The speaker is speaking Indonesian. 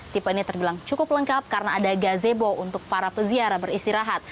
tipe ini terbilang cukup lengkap karena ada gazebo untuk para peziarah beristirahat